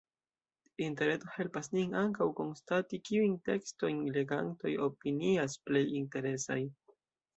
Interreto helpas nin ankaŭ konstati, kiujn tekstojn legantoj opinias plej interesaj.